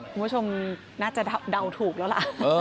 คุณผู้ชมน่าจะเดาถูกแล้วล่ะ